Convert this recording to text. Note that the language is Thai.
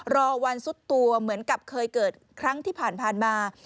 รอวันซุดตัวเหมือนกับเคยเกิดครั้งที่ผ่านมา